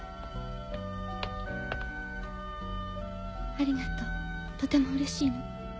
ありがとうとてもうれしいの。